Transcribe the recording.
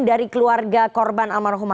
dari keluarga korban almarhum